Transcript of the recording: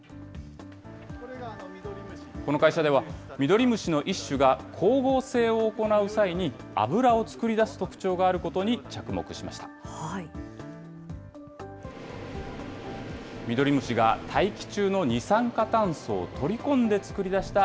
この会社ではミドリムシの一種が光合成を行う際に油を作り出す特徴があることに着目しました。